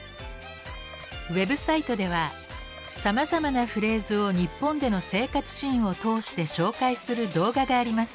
ＷＥＢサイトではさまざまなフレーズを日本での生活シーンを通して紹介する動画があります。